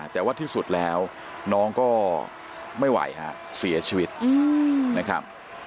แต่ว่าที่สุดแล้วน้องก็ไม่ไหวฮะเสียชีวิตนะครับ